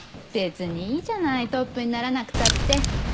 別にいいじゃないトップにならなくたって。